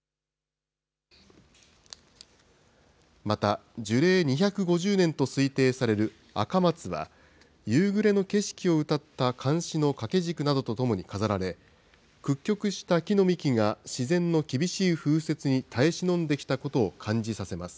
また樹齢２５０年と推定される赤松は、夕暮れの景色を詠った漢詩の掛け軸などと共に飾られ、屈曲した木の幹が自然の厳しい風雪に耐え忍んできたことを感じさせます。